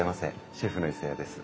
シェフの磯谷です。